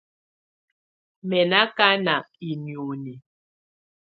Mɛ̀ ná ákaná i nioni.